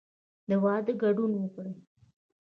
د واده ګډون وکړئ